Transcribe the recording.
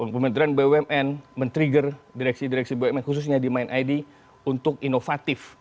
kementerian bumn men trigger direksi direksi bumn khususnya di mind id untuk inovatif